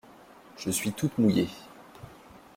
Je suis toute mouillée.